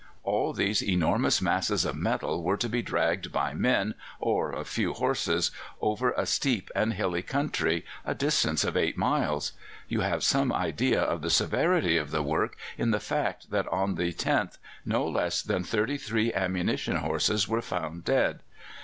All these enormous masses of metal were to be dragged by men or a few horses over a steep and hilly country a distance of eight miles. You have some idea of the severity of the work in the fact that on the 10th no less than thirty three ammunition horses were found dead.